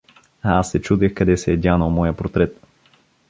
А аз се чудех къде се е дянал моя портрет.